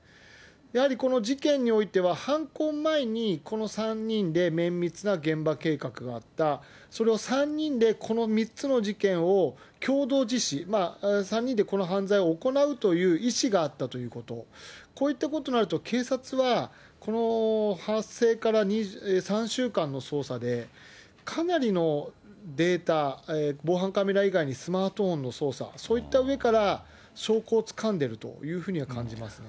やはりこの事件においては、犯行前にこの３人で綿密な現場計画があった、それを３人でこの３つの事件を共同実施、３人でこの犯罪を行うという意思があったということ、こういったことになると、警察は、この発生から３週間の捜査で、かなりのデータ、防犯カメラ以外に、スマートフォンの捜査、そういった上から証拠をつかんでるというふうには感じますね。